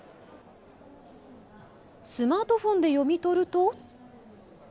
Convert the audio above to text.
スマートフォンで読み取ると。